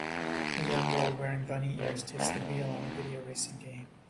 A young girl wearing bunny ears takes the wheel on a video racing game.